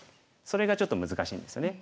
それがちょっと難しいんですよね。